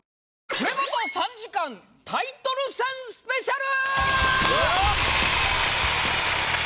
『プレバト』３時間タイトル戦スペシャル！